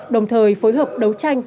đồng thời phối hợp đấu tranh